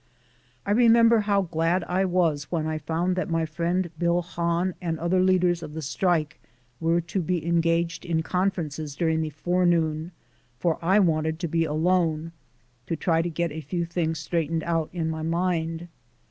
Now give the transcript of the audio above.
I remember how glad I was when I found that my friend Bill Hahn and other leaders of the strike were to be engaged in conferences during the forenoon, for I wanted to be alone, to try to get a few things straightened out in my mind.